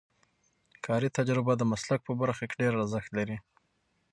کاري تجربه د مسلک په برخه کې ډېر ارزښت لري.